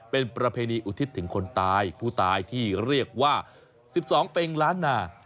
เป็นประเพณีอุทิศถึงคนตายผู้ตายที่เรียกว่า๑๒เป็งล้านนา